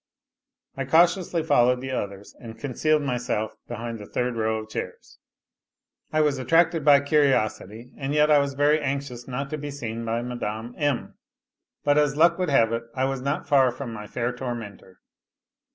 I cautiously followed the others and concealed myself behind the third row of chairs. I was attracted by curiosity, and yet I was very anxious not to be seen by Mme. M. But as luck would have it I was not far from my fair tormentor.